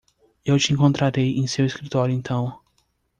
Eu te encontrarei em seu escritório então.